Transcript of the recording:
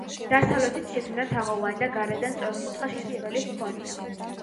დასავლეთით შიგნიდან თაღოვანი და გარედან სწორკუთხა შესასვლელი ჰქონია.